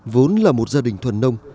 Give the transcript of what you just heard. vốn là một gia đình thuần nông